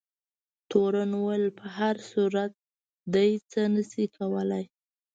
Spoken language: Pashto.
تورن وویل په هر صورت دی نه څه کولای شي.